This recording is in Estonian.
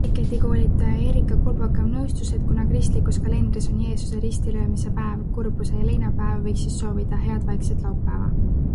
Etiketikoolitaja Erika Kolbakov nõustus, et kuna kristlikus kalendris on Jeesuse ristilöömise päev kurbuse ja leina päev, võiks siis soovida head vaikset laupäeva.